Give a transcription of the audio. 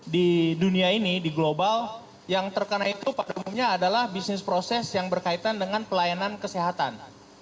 di dunia ini di global yang terkena itu pada umumnya adalah bisnis proses yang berkaitan dengan pelayanan kesehatan